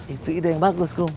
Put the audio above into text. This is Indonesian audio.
itu ide yang bagus